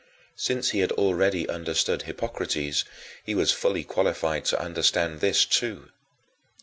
Since he had already understood Hippocrates, he was fully qualified to understand this too.